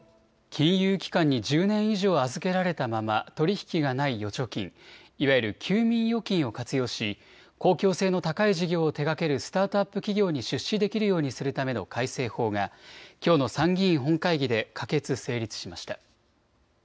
金融機関に１０年以上預けられたまま取り引きがない預貯金、いわゆる休眠預金を活用し公共性の高い事業を手がけるスタートアップ企業に出資できるようにするための改正法がきょうの参議院本会議で可決・成立しました。